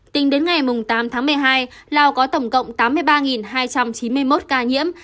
tính đến ngày tám tháng một mươi hai lào có tổng cộng tám mươi ba hai trăm chín mươi một ca nhiễm